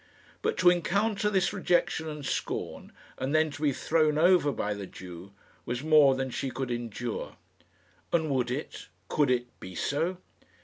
But to encounter this rejection and scorn, and then to be thrown over by the Jew, was more than she could endure. And would it, could it, be so?